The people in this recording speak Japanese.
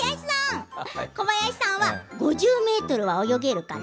小林さんは５０ｍは泳げるかな？